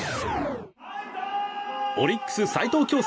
オリックス、齋藤響介